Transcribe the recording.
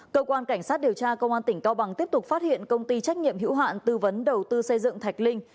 cơ quan cảnh sát điều tra công an tỉnh cao bằng tiếp tục phát hiện công ty trách nhiệm hữu hạn tư vấn đầu tư xây dựng thạch linh